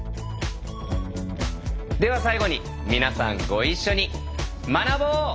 では最後に皆さんご一緒に学ぼう！